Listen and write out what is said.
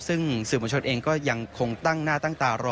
ซึ่งสื่อมวลชนเองก็ยังคงตั้งหน้าตั้งตารอ